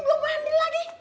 belum mandi lagi